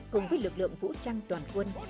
cùng với lực lượng vũ trang toàn quân